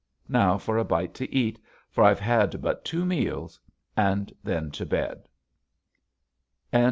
Now for a bite to eat, for I've had but two meals and then to bed.